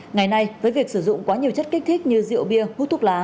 ngày nay với việc sử dụng quá nhiều chất kích thích như rượu bia hút thuốc lá